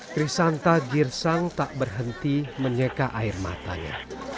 trisanta girsang tak berhenti menyeka air matanya